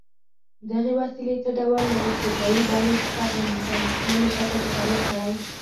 دغې وسیلې څه ډول له ابتدايي بڼې څخه پرمختللي شکل ته تغییر کړی؟